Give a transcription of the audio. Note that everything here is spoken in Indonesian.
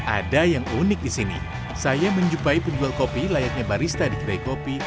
ada yang unik di sini saya menjumpai penjual kopi layaknya barista di kedai kopi